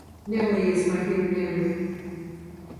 Nelly is my hidden enemy.